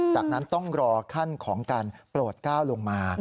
จากนั้นต้องรอขั้นของการโปรดก้าวลงมา